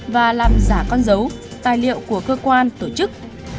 và làm giả con dấu tài liệu của cơ quan tổ chức